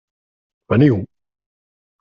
Veniu!